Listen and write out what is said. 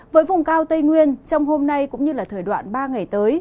với vùng cao tây nguyên trong hôm nay cũng như là thời đoạn ba ngày tới